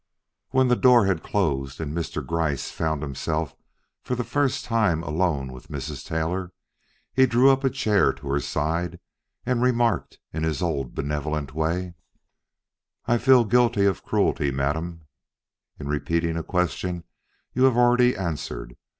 When the door had closed and Mr. Gryce found himself for the first time alone with Mrs. Taylor, he drew up a chair to her side and remarked in his old benevolent way: "I feel guilty of cruelty, madam, in repeating a question you have already answered.